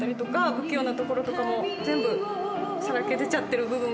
不器用なところも全部さらけ出てる部分が